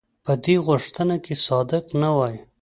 په دې غوښتنه کې صادق نه وای.